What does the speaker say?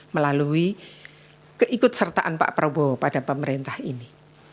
melalui keikutsertaan pak prabowo pada pemerintah ini